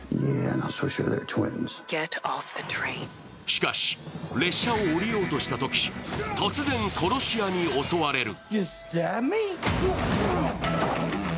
しかし、列車を降りようとしたとき、突然殺し屋に襲われる。